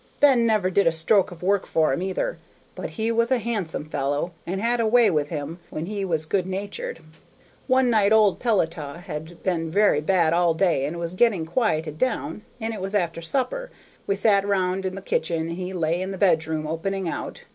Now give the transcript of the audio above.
Ben never did a stroke of work for him, either, but he was a handsome fellow, and had a way with him when he was good natured. One night old Peletiah had been very bad all day and was getting quieted down, and it was after supper; we sat round in the kitchen, and he lay in the bedroom opening out.